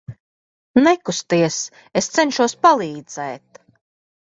Nekusties, es cenšos palīdzēt.